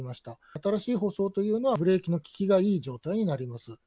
新しい舗装というのはブレーキの利きがいい状態になります。